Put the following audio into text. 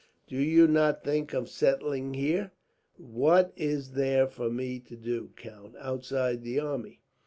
"Do you not think of settling here?" "What is there for me to do, count, outside the army?